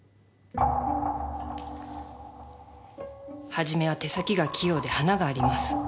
元は手先が器用で華があります。